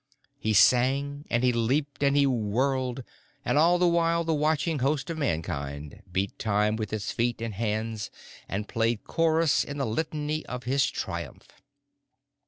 He sang and he leaped and he whirled, and all the while the watching host of Mankind beat time with its feet and hands and played chorus in the litany of his triumph.